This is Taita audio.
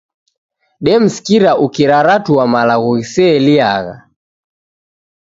Demsikira ukiraratua malagho ghiseeliagha.